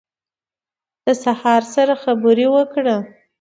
د سهار سره خبرې وکړه